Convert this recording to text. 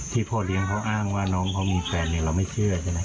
พ่อเลี้ยงเขาอ้างว่าน้องเขามีแฟนเราไม่เชื่อใช่ไหม